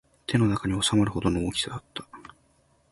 手の中に収まるほどの大きさだった